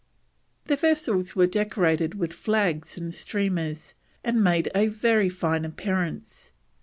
The vessels were decorated with flags and streamers, and made a very fine appearance.